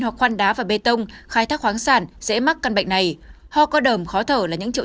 hoặc khoan đá và bê tông khai thác khoáng sản dễ mắc căn bệnh này ho có đờm khó thở là những triệu